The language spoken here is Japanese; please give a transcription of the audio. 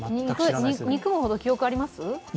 憎むほど、記憶あります？